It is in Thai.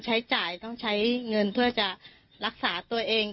ใช้จ่ายต้องใช้เงินเพื่อจะรักษาตัวเอง